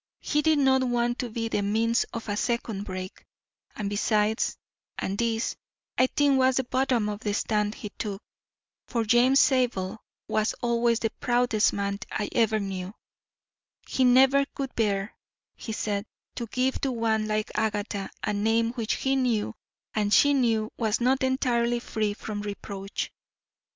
He did not want to be the means of a second break, and besides, and this, I think, was at the bottom of the stand he took, for James Zabel was always the proudest man I ever knew, he never could bear, he said, to give to one like Agatha a name which he knew and she knew was not entirely free from reproach.